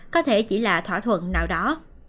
có thể chỉ là thỏa thuận nào đó